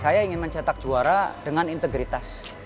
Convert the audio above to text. saya ingin mencetak juara dengan integritas